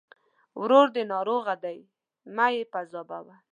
ورور دې ناروغه دی! مه يې پاذابوه.